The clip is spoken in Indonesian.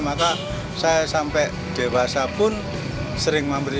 maka saya sampai dewasa pun sering memberi